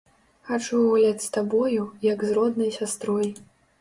Хачу гуляць з табою, як з роднай сястрой.